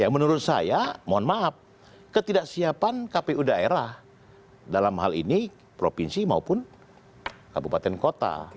menurut saya mohon maaf ketidaksiapan kpu daerah dalam hal ini provinsi maupun kabupaten kota